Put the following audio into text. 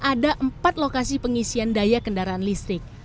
ada empat lokasi pengisian daya kendaraan listrik